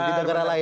di negara lain